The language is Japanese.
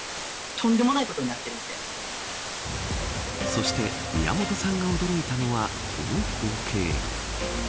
そして、宮本さんが驚いたのはこの光景。